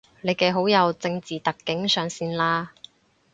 你嘅好友正字特警上線喇